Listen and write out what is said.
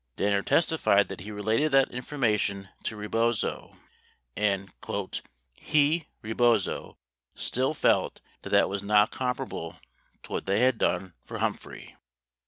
29 Danner testi fied that he related that information to Rebozo and "he [Rebozo] still felt that that was not comparable to what they had done for Humphrey."